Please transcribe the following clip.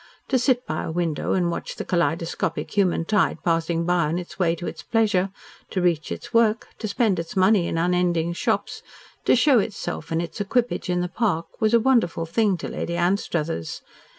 To sit by a window and watch the kaleidoscopic human tide passing by on its way to its pleasure, to reach its work, to spend its money in unending shops, to show itself and its equipage in the park, was a wonderful thing to Lady Anstruthers.